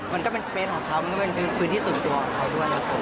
มันก็เป็นสเปสของเขามันก็เป็นพื้นที่ส่วนตัวของเขาด้วยครับผม